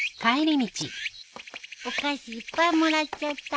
お菓子いっぱいもらっちゃった。